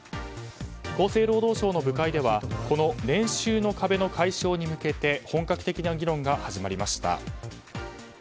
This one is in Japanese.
厚生労働省の部会ではこの年収の壁の解消に向け本格的な議論が始まりました。